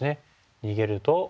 逃げると。